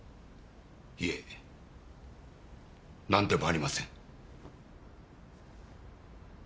いえなんでもありません。